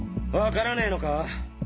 分からねえのか？